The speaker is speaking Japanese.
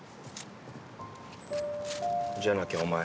じゃなきゃお前